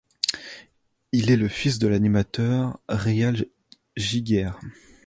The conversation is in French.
Il est le fils de l'animateur Réal Giguère.